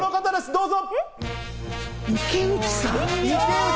どうぞ！